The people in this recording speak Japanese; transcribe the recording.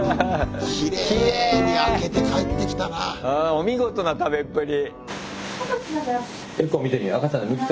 お見事な食べっぷり。